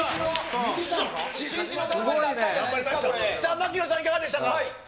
槙野さん、いかがでしたか。